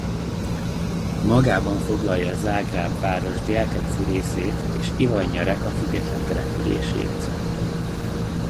Magában foglalja Zágráb város délkeleti részét és Ivanja Reka független települését.